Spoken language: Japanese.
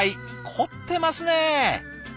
凝ってますね。